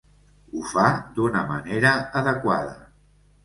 Ho fa d’una manera adequada.